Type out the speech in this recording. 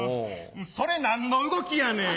それ何の動きやねん！